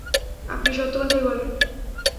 আপনি সত্য কথাই বললেন।